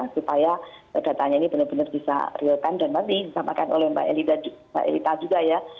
supaya datanya ini benar benar bisa real time dan nanti disampaikan oleh mbak elita juga ya